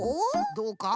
どうか？